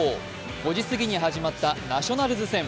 ５時すぎに始まったナショナルズ戦。